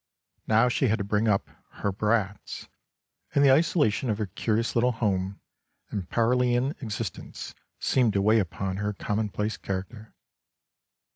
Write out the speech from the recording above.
Now she had to bring up " her brats," and the isola tion of her curious little home and paralian existence seemed to weigh upon her commonplace character.